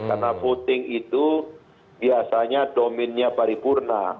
karena voting itu biasanya dominnya paripurna